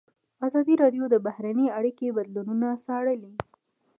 ازادي راډیو د بهرنۍ اړیکې بدلونونه څارلي.